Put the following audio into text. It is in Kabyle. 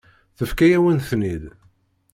Tefka-yawen-ten-id.